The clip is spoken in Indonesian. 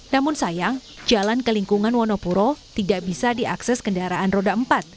namun sayang jalan ke lingkungan wonopuro tidak bisa diakses kendaraan roda empat